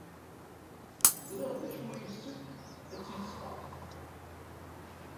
Ẓriɣ d acu ay yessefk ad t-id-sɣeɣ.